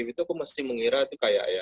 itu aku mesti mengira itu kayak ya